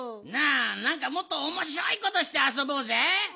なあなんかもっとおもしろいことしてあそぼうぜ！